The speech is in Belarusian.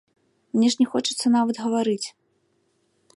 Мне ж не хочацца нават гаварыць.